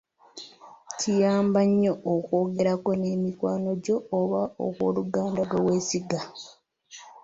Kiyamba nnyo okwogerako ne mikwano gyo oba owooluganda gwe weesiga.